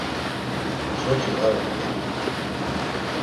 Soti var ort̆ey.